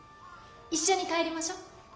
一緒に帰りましょ。